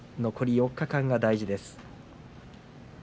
残り４日間が大事です。